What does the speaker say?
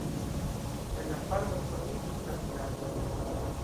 El la farmoj formiĝis la vilaĝo.